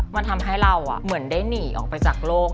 มันทำให้เราเหมือนได้หนีออกไปจากโลก